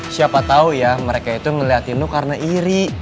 siapa tau ya mereka itu ngeliatin lo karena iri